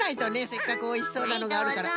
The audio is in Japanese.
せっかくおいしそうなのがあるから。